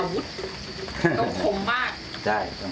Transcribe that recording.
พร้อมทุกสิทธิ์